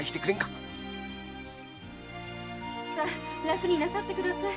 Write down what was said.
さあ楽になさってください。